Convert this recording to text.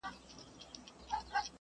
د کوټې فضا له معنوي فکرونو ډکه شوه.